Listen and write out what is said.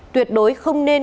tuyệt đối không nên